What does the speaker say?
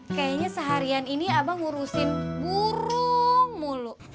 kayaknya seharian ini abang ngurusin burung mulu